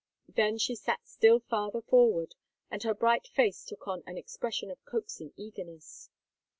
Then she sat still farther forward, and her bright face took on an expression of coaxing eagerness.